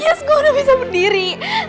yes gue udah bisa berdiri